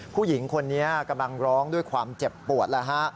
ผู้หญิงคนนี้กำลังร้องด้วยความเจ็บปวดแล้วฮะ